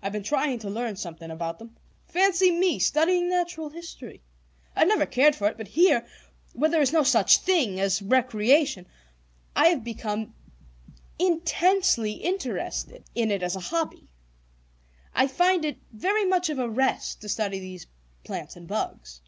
I've been trying to learn something about them. Fancy me studying natural history! I've never cared for it, but here, where there is no such things as recreation, I have become intensely interested in it as a hobby. I find it very much of a rest to study these plants and bugs."